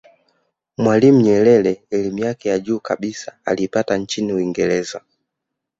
mwalimu nyerere elimu yake ya juu kabisa aliipata nchini uingereza